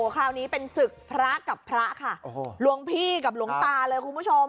คราวนี้เป็นศึกพระกับพระค่ะโอ้โหหลวงพี่กับหลวงตาเลยคุณผู้ชม